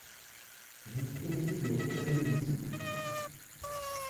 Vous promettez de réclamer les bisons.